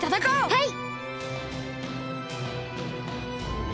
はい！